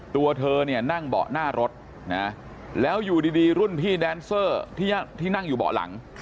ตัวเธอเนี่ยนั่งเบาะหน้ารถนะแล้วอยู่ดีรุ่นพี่แดนเซอร์ที่นั่งอยู่เบาะหลัง